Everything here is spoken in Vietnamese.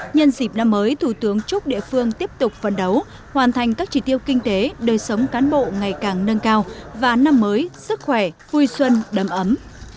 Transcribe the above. nhân dịp năm mới thủ tướng chúc địa phương tiếp tục phấn đấu hoàn thành các chỉ tiêu kinh tế đời sống cán bộ ngày càng nâng cao và năm mới sức khỏe vui xuân đầm ấm